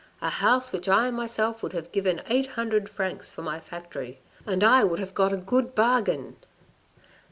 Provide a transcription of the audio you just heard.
"A house which I myself would have given eight hundred francs for my factory, and I would have got a good bargain."